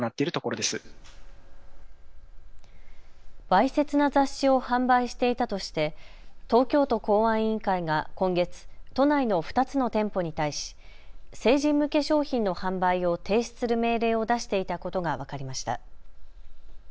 わいせつな雑誌を販売していたとして東京都公安委員会が今月、都内の２つの店舗に対し成人向け商品の販売を停止する命令を出していたことが分かりました。